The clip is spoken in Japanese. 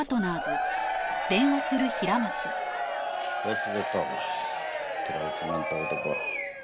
忘れたわ寺内なんて男は。